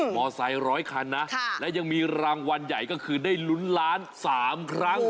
มอไซค์ร้อยคันนะและยังมีรางวัลใหญ่ก็คือได้ลุ้นล้าน๓ครั้ง